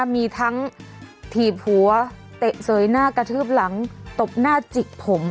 มีทั้งถีบหัวเตะเสยหน้ากระทืบหลังตบหน้าจิกผม